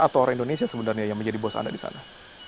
atau orang indonesia sebenarnya yang menjadi bos anda di sana